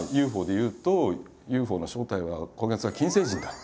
ＵＦＯでいうとＵＦＯの正体は今月は「金星人だ」。